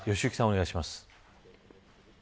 お願いします。